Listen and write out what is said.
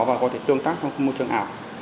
và có thể tương tác trong môi trường ảo